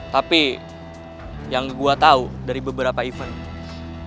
tapi yang gue tahu dari beberapa event